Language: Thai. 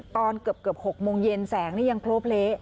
ตอนเกือบ๖โมงเย็นแสงนี่ยังโพลเละ